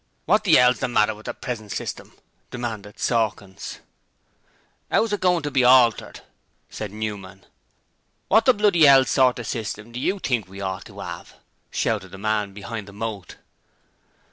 'What the 'ell's the matter with the present system?' demanded Sawkins. 'Ow's it goin' to be altered?' said Newman. 'Wot the bloody 'ell sort of a system do YOU think we ought to 'ave?' shouted the man behind the moat.